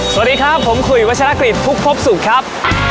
สวัสดีครับผมคุยวัชรกฤษภุกพบสุขครับ